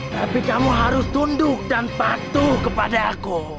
tapi kamu harus tunduk dan patuh kepadaku